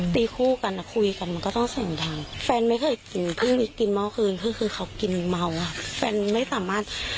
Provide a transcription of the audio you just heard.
ถึงประกบท้ายไปนะค่ะ